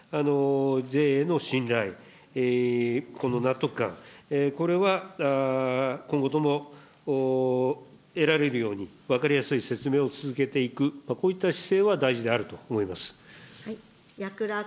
税への信頼、この納得感、これは今後とも得られるように、分かりやすい説明を続けていく、こういった姿勢は大事であると思います。